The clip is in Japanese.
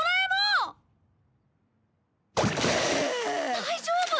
大丈夫！？